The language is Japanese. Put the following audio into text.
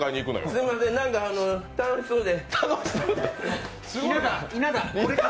すいません、なんか楽しそうで。